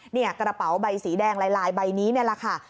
กระเป๋าใบสีแดงลายใบนี้นี่แหละค่ะ